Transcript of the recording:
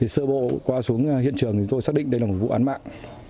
sơ bộ qua xuống hiện trường chúng tôi xác định đây là một vụ án mạng